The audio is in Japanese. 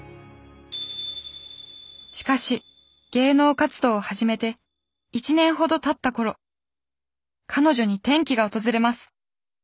しかし芸能活動を始めて１年ほどたった頃彼女に転機が訪れます。